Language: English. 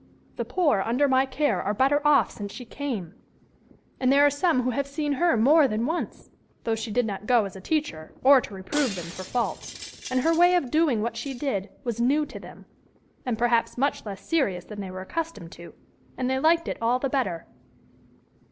The poor under my care are better off since she came, and there are some who have seen her more than once, though she did not go as a teacher or to reprove them for faults; and her way of doing what she did was new to them, and perhaps much less serious than they were accustomed to, and they liked it all the better."